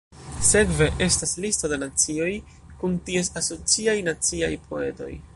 Sekve estas listo de nacioj, kun ties asociaj naciaj poetoj.